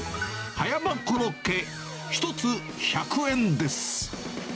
葉山コロッケ、１つ１００円です。